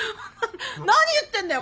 何言ってんだよ。